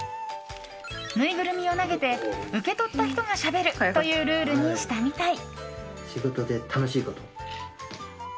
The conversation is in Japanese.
ぬいぐるみを投げて受け取った人がしゃべるというルールにしたみたい。